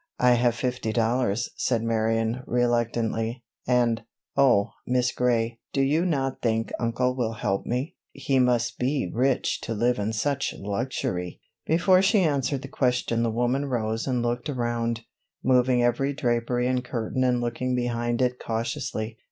"I have fifty dollars," said Marion reluctantly, "and, oh, Miss Gray, do you not think uncle will help me? He must be rich to live in such luxury!" Before she answered the question the woman rose and looked around, moving every drapery and curtain and looking behind it cautiously.